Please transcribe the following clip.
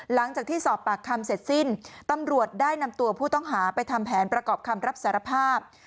หลังจากที่สอบปากคำเสร็จสิ้นตำรวจได้นำตัวผู้ต้องหาไปทำแผนประกอบคำรับสารภาพ